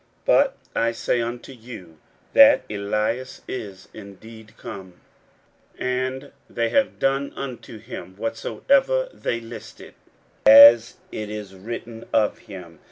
41:009:013 But I say unto you, That Elias is indeed come, and they have done unto him whatsoever they listed, as it is written of him.